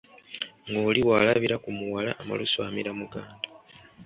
Ng'oli walabira ku muwala amalusu amira muganda.